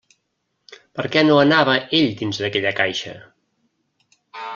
Per què no anava ell dins d'aquella caixa?